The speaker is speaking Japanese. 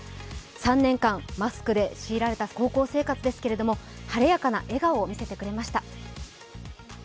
３年間、マスクで強いられた高校生活ですけれども晴れやかな笑顔を見せてくれました。